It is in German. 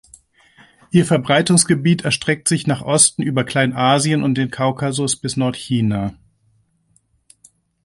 Ihr Verbreitungsgebiet erstreckt sich nach Osten über Kleinasien und den Kaukasus bis Nordchina.